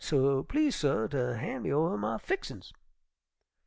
So please, suh, ter han' me over my fixin's.'